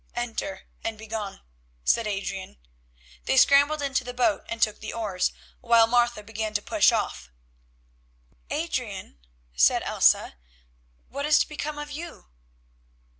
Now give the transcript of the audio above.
"Enter and be gone," said Adrian. They scrambled into the boat and took the oars, while Martha began to push off. "Adrian," said Elsa, "what is to become of you?"